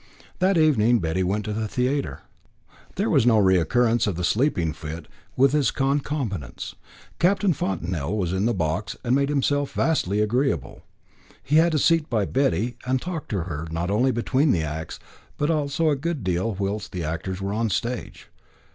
That evening Betty went to the theatre. There was no recurrence of the sleeping fit with its concomitants. Captain Fontanel was in the box, and made himself vastly agreeable. He had his seat by Betty, and talked to her not only between the acts, but also a good deal whilst the actors were on the stage.